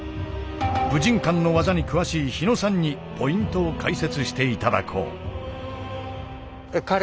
武神館の技に詳しい日野さんにポイントを解説して頂こう。